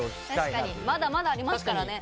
確かにまだまだありますからね。